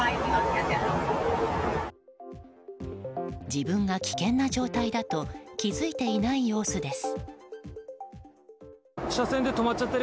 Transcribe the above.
自分が危険な状態だと気づいていない様子です。